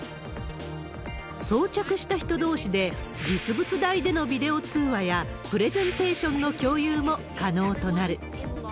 装着した人どうしで実物大でのビデオ通話やプレゼンテーションの共有も可能となる。